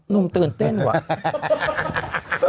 นุ่มตื่นเต้นว่ะ